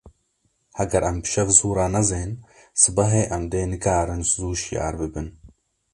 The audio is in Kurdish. Heger em bi şev zû ranezin, sibehê em dê nikarin zû şiyar bibin.